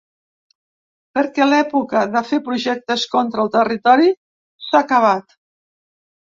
Perquè l’època de fer projectes contra el territori s’ha acabat.